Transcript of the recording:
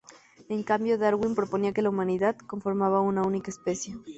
En cambio, Darwin proponía que la humanidad conformaba una única especie.